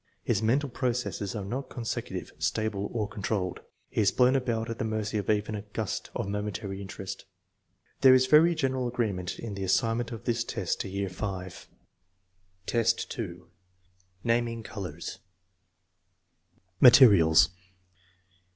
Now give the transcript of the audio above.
His mental processes are not consecu tive, stable, or controlled. He is blown about at the mercy of every gust of momentary interest. There is very general agreement in the assignment of this test to year V. V, 2. Naming colors Materials.